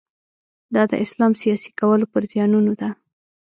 دا د اسلام سیاسي کولو پر زیانونو ده.